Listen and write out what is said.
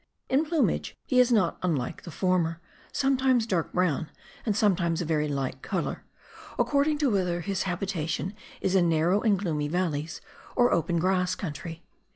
In plumage he is not unlike the former, sometimes dark brown and sometimes a very light colour, according to whether his habitation is in narrow and gloomy valleys or open grass country.